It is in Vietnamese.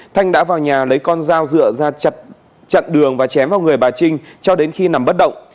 thanh đã vào nhà lấy con dao dựa ra chặt chặn đường và chém vào người bà trinh cho đến khi nằm bất động